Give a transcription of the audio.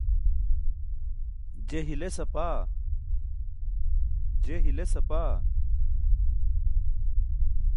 je hiles apaa